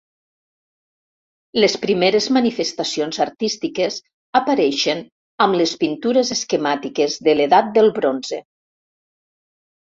Les primeres manifestacions artístiques apareixen amb les pintures esquemàtiques de l'Edat del Bronze.